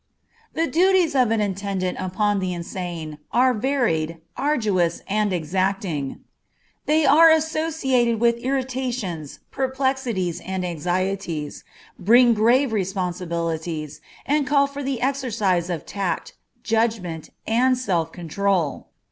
_ The duties of an attendant upon the insane are varied, arduous, and exacting; they are associated with irritations, perplexities, and anxieties, bring grave responsibilities, and call for the exercise of tact, judgment, and self control.